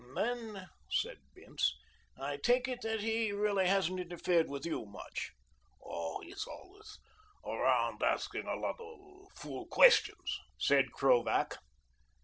"Then," said Bince, "I take it that he really hasn't interfered with you much?" "Oh, he's always around asking a lot of fool questions," said Krovac.